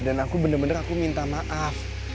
dan aku bener bener aku minta maaf